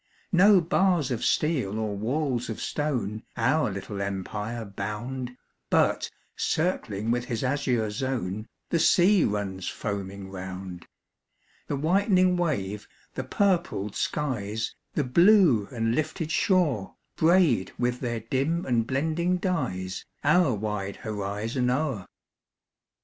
No bars of steel or walls of stone Our little empire bound, But, circling with his azure zone, The sea runs foaming round; The whitening wave, the purpled skies, The blue and lifted shore, Braid with their dim and blending dyes Our wide horizon o'er.